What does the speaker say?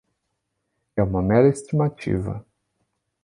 É uma mera estimativa.